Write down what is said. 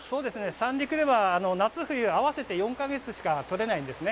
三陸では夏冬合わせて４か月しかとれないんですね。